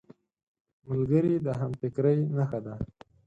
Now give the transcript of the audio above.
ملګری د همفکرۍ نښه ده